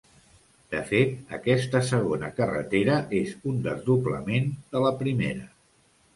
De fet, aquesta segona carretera és un desdoblament de la primera.